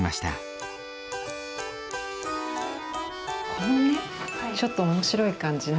このねちょっと面白い感じの。